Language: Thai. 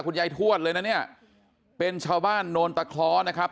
ทวดเลยนะเนี่ยเป็นชาวบ้านโนนตะคล้อนะครับ